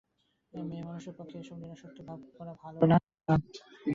মেয়েমানুষের পক্ষে এরূপ নিরাসক্ত ভাব তো ভালো নয়।